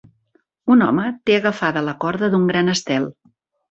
Un home té agafada la corda d'un gran estel.